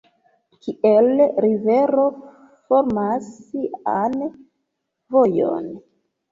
Kiel rivero formas sian vojon.